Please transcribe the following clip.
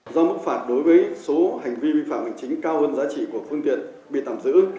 do mức phạt đối với số hành vi vi phạm hành chính cao hơn giá trị của phương tiện bị tạm giữ